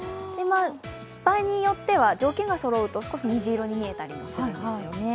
場合によっては、条件がそろうと少し虹色に見えたりもするんですよね。